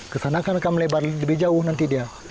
kesana akan melebar lebih jauh nanti dia